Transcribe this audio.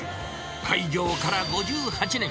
開業から５８年。